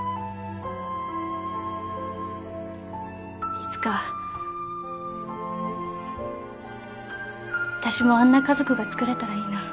いつか私もあんな家族がつくれたらいいな。